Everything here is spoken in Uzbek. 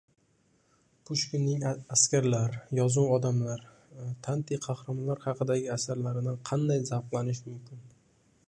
Pushkinning askarlar, yovuz odamlar, tanti qahramonlar haqidagi asarlaridan qanday zavqlanish mumkin?